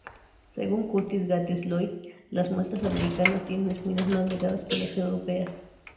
Según Curtis Gates Lloyd, las muestras americanas tienen espinas más delgadas que las europeas.